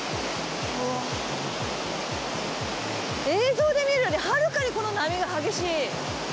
映像で見るよりはるかにこの波が激しい。